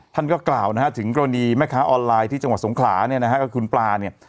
ท่านก็กล่าวนะฮะถึงกรณีแม่ค้าออนไลน์ที่จังหวัดสงขลาเนี่ยนะฮะก็คือคุณปลาเนี่ย